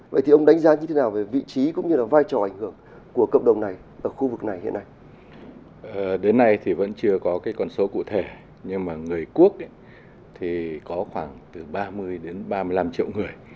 khoảng ba mươi ba mươi năm triệu người